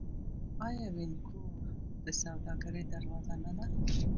آیا وینکوور د سوداګرۍ دروازه نه ده؟